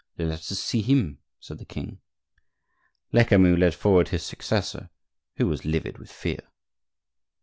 "Let us see him," said the king. Lecamus led forward his successor, who was livid with fear.